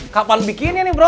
kapan bikinnya nih bro